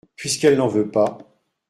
Puisqu’elle n’en veut pas…